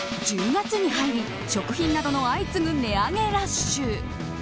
１０月に入り食品などの相次ぐ値上げラッシュ。